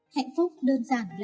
hạnh phúc đơn giản là sự sẻ chia